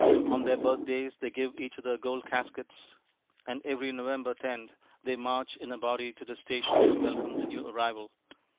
On their birthdays they give each other gold caskets, and every November 10 they march in a body to the station to welcome the new arrival.